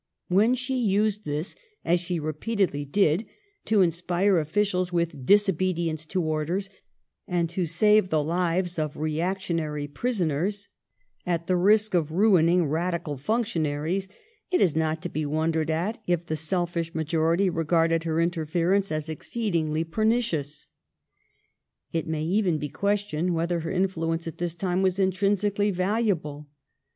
When she used this, as she repeatedly did, to inspire officials with disobe dience to orders, and to save the lives of reac tionary prisoners at the risk of ruining radical functionaries, it is not to be wondered at if the selfish majority regarded her interference as ex ceedingly pernicious. It may even be questioned whether her influ ence at this time was intrinsically valuable.